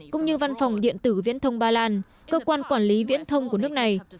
cũng như văn phòng điện tử viễn thông ba lan cơ quan quản lý viễn thông của nước này